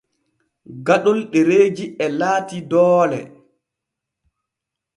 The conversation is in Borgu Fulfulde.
Gaɗol ɗereeji e laati doole.